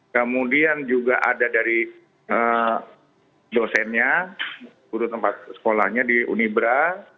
kemudian juga ada dari dosennya guru tempat sekolahnya di unibra